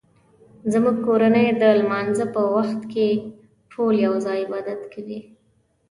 زموږ کورنۍ د لمانځه په وخت ټول یو ځای عبادت کوي